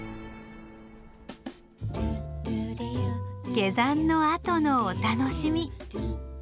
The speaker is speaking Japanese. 下山のあとのお楽しみ。